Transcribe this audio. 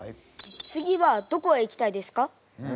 次はどこへ行きたいですか？